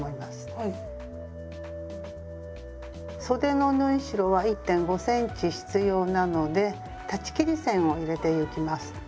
そでの縫い代は１．５ｃｍ必要なので裁ち切り線を入れてゆきます。